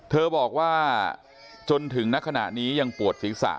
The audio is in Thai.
เธอบอกว่าจนถึงณขณะนี้ยังปวดศีรษะ